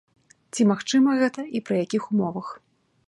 Ці магчыма гэта і пры якіх умовах?